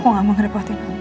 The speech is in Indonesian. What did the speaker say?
aku gak mau ngerepotin